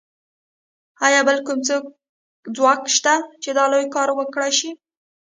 ایا بل کوم ځواک شته چې دا لوی کار وکړای شي